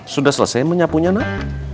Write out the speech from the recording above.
sudah selesai menyapunya nak